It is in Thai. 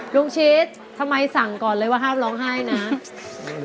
ชิดทำไมสั่งก่อนเลยว่าห้ามร้องไห้นะ